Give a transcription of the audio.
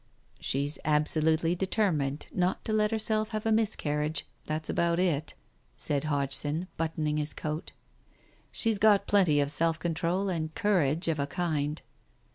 "She's absolutely determined not to let herself have a miscarriage, that's about it," said Hodgson, buttoning his coat. "She's got plenty of self control and courage of a kind."